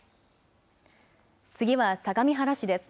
次は相模原市です。